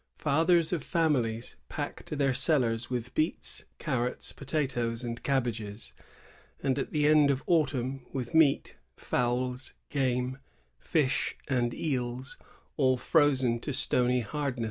Fathers of families packed their cellars with beets, carrots, potatoes, and cab bages ; and, at the end of autumn, with meat, fowls, game, fish, and eels, all frozen to stony hardness.